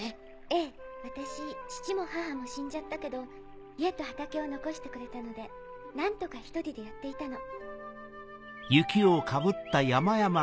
ええ私父も母も死んじゃったけど家と畑を残してくれたので何とか１人でやっていたの。